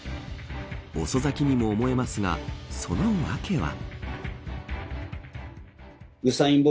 遅咲きにも思えますがその訳は。